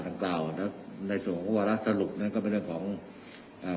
ต่างกล้าวนะในส่วนของธุระวัลอัดสรุปนี่ก็ไปเรื่องของอ่า